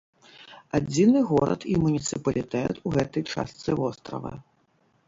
Адзіны горад і муніцыпалітэт у гэтай частцы вострава.